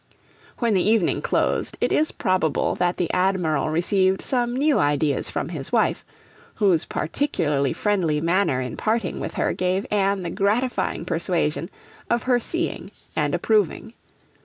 When the evening closed, it is probable that the Admiral received some new ideas from his wife, whose particularly friendly manner in parting with her gave Anne the gratifying persuasion of her seeing and approving.